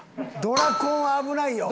ドラコンは危ないよ。